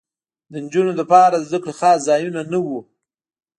د نجونو لپاره د زدکړې خاص ځایونه نه وو